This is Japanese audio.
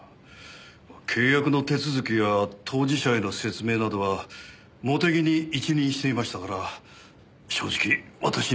契約の手続きや当事者への説明などは茂手木に一任していましたから正直私にはそこまで。